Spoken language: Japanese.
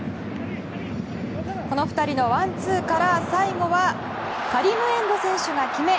この２人のワンツーから最後はカリムエンド選手が決め